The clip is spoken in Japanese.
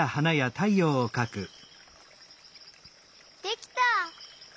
できた！